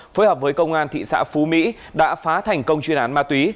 phối hợp với công an thị xã phú mỹ đã phá thành công chuyên án ma túy